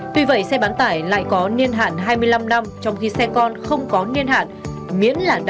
tuy vậy xe bán tải lại có niên hạn